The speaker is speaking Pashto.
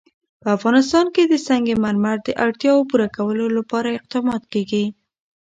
په افغانستان کې د سنگ مرمر د اړتیاوو پوره کولو لپاره اقدامات کېږي.